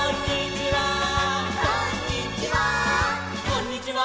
「こんにちは」「」